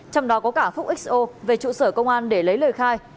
trong đó có cả phúc xo về trụ sở công an để lấy lời khai